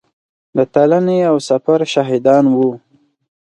د تلنې او سفر شاهدان وو.